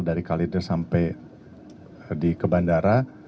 dari kalider sampai di kebandara